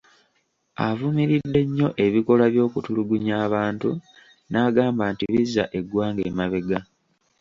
Avumiridde nnyo ebikolwa by'okutulungunya abantu n'agamba nti bizza eggwanga emabega.